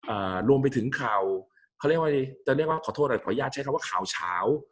อ่ารวมไปถึงข่าวเขาเรียกว่าจะเรียกว่าขอโทษหน่อยขออนุญาตใช้คำว่าข่าวเช้า